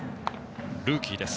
ルーキーです。